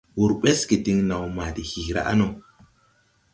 Wǔr ɓɛsge diŋ naw ma de hiiraʼ no.